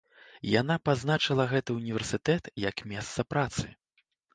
Яна пазначыла гэты ўніверсітэт як месца працы.